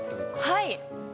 はい。